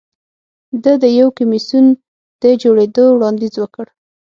ده د یو کمېسیون د جوړېدو وړاندیز وکړ